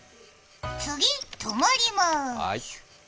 次、止まりまーす。